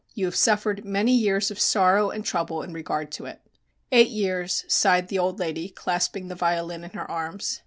You have suffered many years of sorrow and trouble in regard to it." "Eight years," sighed the old lady, clasping the violin in her arms.